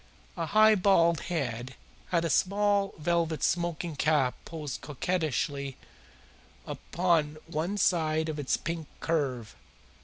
A high bald head had a small velvet smoking cap poised coquettishly upon one side of its pink curve.